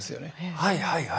はいはいはい。